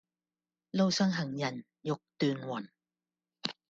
路上行人欲斷魂